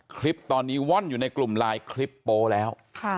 คลิปตอนนี้ว่อนอยู่ในกลุ่มไลน์คลิปโป๊แล้ว